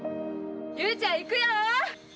雄ちゃん行くよ！